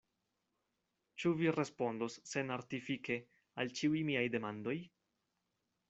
Ĉu vi respondos senartifike al ĉiuj miaj demandoj?